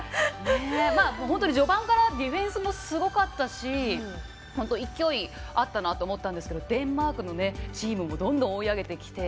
本当に序盤からディフェンスもすごかったし勢いあったなと思ったんですけどデンマークのチームもどんどん追い上げてきて。